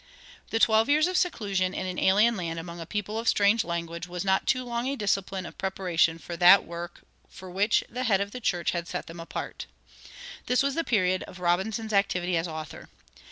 The twelve years of seclusion in an alien land among a people of strange language was not too long a discipline of preparation for that work for which the Head of the church had set them apart. This was the period of Robinson's activity as author.